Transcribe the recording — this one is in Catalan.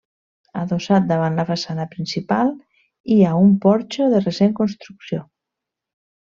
Adossat davant la façana principal hi ha un porxo de recent construcció.